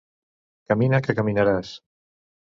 Camina que caminaràs.